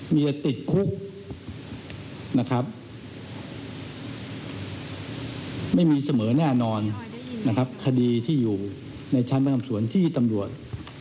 เมียติดคุกนะครับไม่มีเสมอแน่นอนนะครับคดีที่อยู่ในชั้นประจำสวนที่ตำรวจ